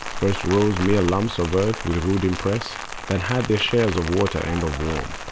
First rose mere lumps of earth with rude impress, That had their shares of Water and of Warm.